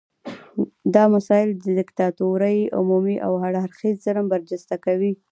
دا مسایل د دیکتاتورۍ عمومي او هر اړخیز ظلم برجسته کوي.